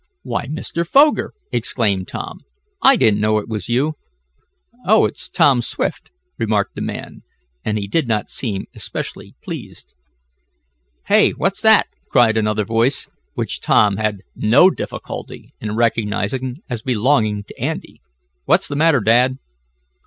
"Why, Mr. Foger!" exclaimed Tom. "I didn't know it was you." "Oh, it's Tom Swift," remarked the man, and he did not seem especially pleased. "Hey! What's that?" cried another voice, which Tom had no difficulty in recognizing as belonging to Andy. "What's the matter, Dad?"